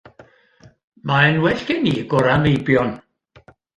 Mae'n well gen i gorau meibion.